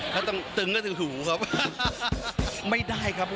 แข็งทั้งหมดเลยครับ